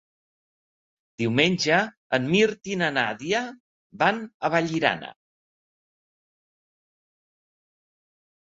Diumenge en Mirt i na Nàdia van a Vallirana.